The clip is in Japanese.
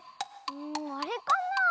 あれかなあ？